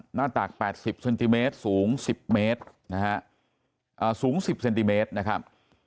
หน้าตาก๘๐เซนติเมตรสูง๑๐เมตรนะฮะสูง๑๐เซนติเมตรนะครับ